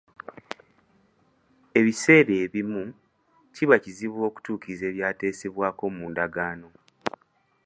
Ebiseera ebimu, kiba kizibu okutuukiriza ebyateesebwako mu ndagaano.